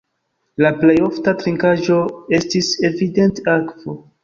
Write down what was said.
La plej ofta trinkaĵo estis evidente akvo.